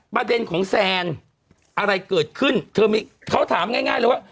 ประเด็นของแซนอะไรเกิดขึ้นเธอเขาถามง่ายเลยว่า